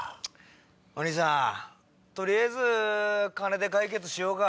お兄さん取りあえず金で解決しようか。